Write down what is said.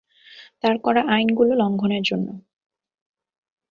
তার করা আইনগুলো লঙ্ঘনের জন্য!